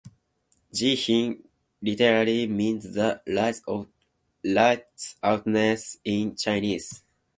Ghee Hin literally means "the rise of righteousness" in Chinese.